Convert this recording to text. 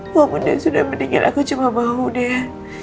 walaupun dia sudah meninggal aku cuma mau dia